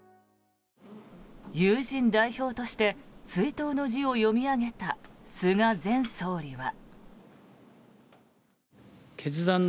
友人代表として追悼の辞を読み上げた菅前総理は。